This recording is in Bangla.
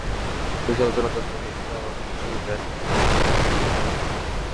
বেশ আলোচনার জন্ম দিয়েছে তাঁর অদ্ভুত সেই ব্যাট হাতে দাঁড়ানোর ভঙ্গি।